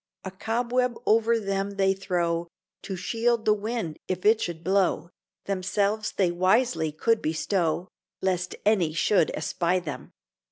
A cobweb over them they throw, To shield the wind, if it should blow, Themselves they wisely could bestow, Lest any should espy them.